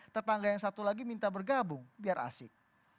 tetangga yang satu lagi minta bergabung biar asik